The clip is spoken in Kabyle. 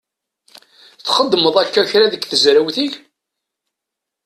Txeddmeḍ akka kra deg tezrawt-ik?